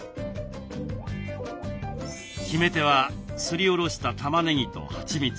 決め手はすりおろしたたまねぎとはちみつ。